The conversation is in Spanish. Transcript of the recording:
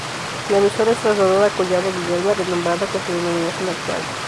La emisora es trasladada a Collado Villalba, renombrada con su denominación actual.